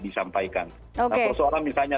disampaikan nah soal misalnya